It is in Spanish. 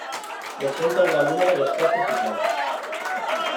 Presenta un gran número de especies y plantas.